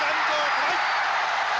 トライ！